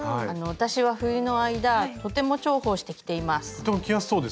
私は冬の間とても重宝して着ています。